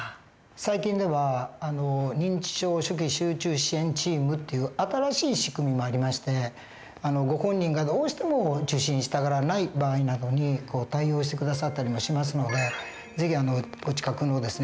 最近では認知症初期集中支援チームっていう新しい仕組みもありましてご本人がどうしても受診したがらない場合などに対応して下さったりもしますので是非お近くのですね